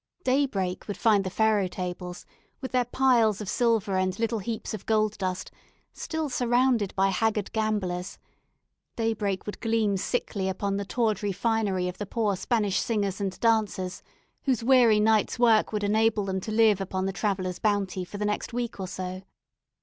Daybreak would find the faro tables, with their piles of silver and little heaps of gold dust, still surrounded by haggard gamblers; daybreak would gleam sickly upon the tawdry finery of the poor Spanish singers and dancers, whose weary night's work would enable them to live upon the travellers' bounty for the next week or so.